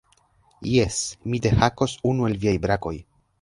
"Jes, mi dehakos unu el viaj brakoj."